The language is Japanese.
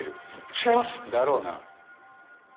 違います！だろうな。